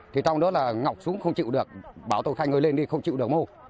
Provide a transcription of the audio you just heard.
thì trong đó là ngọc xuống không chịu được bảo tôi khai người lên đi không chịu được mô